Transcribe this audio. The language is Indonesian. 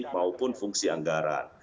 maupun fungsi anggaran